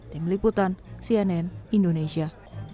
tim liputan cnn indonesia